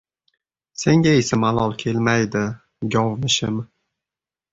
Senga esa malol kelmaydi, govmishim.